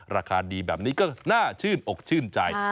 ราคาดีแบบนี้ก็น่าชื่นอกชื่นใจ